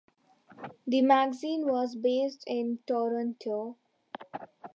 The magazine was based in Toronto.